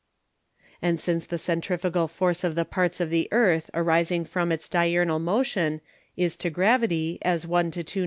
And since the Centrifugal force of the Parts of the Earth arising from its Diurnal Motion is to Gravity, as 1 to 291.